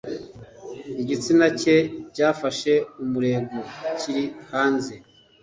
igitsina cye cyafashe umurego kiri hanze